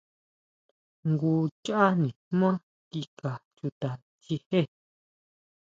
Jngu cháʼ nijmá kika chuta chijé.